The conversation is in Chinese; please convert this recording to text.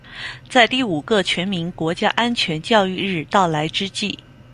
在第五个全民国家安全教育日到来之际